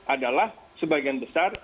adalah sebagian besar